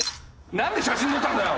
何で写真撮ったんだよ？